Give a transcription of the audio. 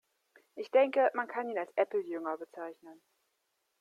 Ich denke, man kann ihn als Apple-Jünger bezeichnen.